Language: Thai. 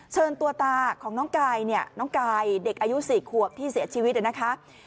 เชิญตัวตาของน้องกายเนี่ยน้องกายเด็กอายุ๔ขวบที่เสียชีวิตนะคะ